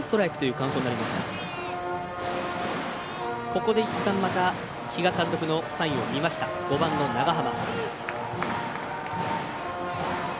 ここでいったん、また比嘉監督のサインを見た５番の長濱。